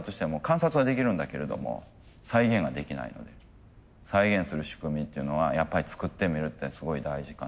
観察はできるんだけれども再現はできないので再現する仕組みっていうのはやっぱり作ってみるってすごい大事かなっていう気はしてます。